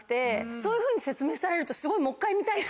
そういうふうに説明されるとすごい。